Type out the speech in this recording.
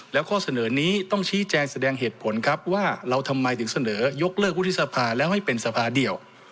แล้วข้อเสนอนี้ต้องชี้แจงแสดงเหตุผลครับว่าเราทำไมถึงเสนอยกเลิกวุฒิสภาแล้วให้เป็นสภาเดียว